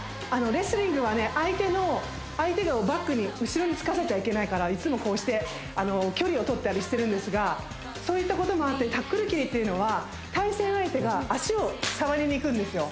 レスリングは相手をバックに後ろにつかせちゃいけないからいつもこうして距離をとったりしてるんですがそういったこともあってタックル切りっていうのは対戦相手が足を触りに行くんですよ